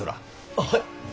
あっはい。